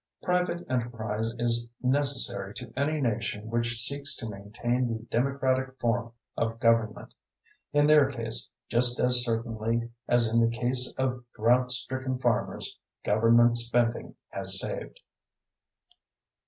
Private enterprise is necessary to any nation which seeks to maintain the democratic form of government. In their case, just as certainly as in the case of drought stricken farmers, government spending has saved.